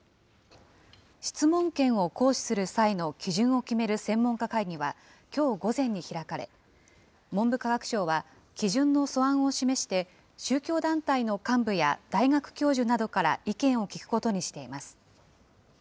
質問権を行使する際の基準を決める専門家会議は、きょう午前に開かれ、文部科学省は基準の素案を示して、宗教団体の幹部や大学教授などから意見を聴くことにしています。